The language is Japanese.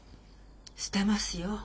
捨てますよ。